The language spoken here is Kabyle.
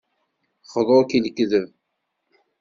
Xḍu-k i lekdeb.